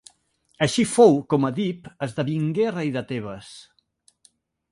Així fou com Èdip esdevingué rei de Tebes.